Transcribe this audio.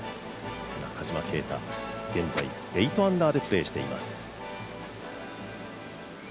中島啓太、現在８アンダーでプレーしています。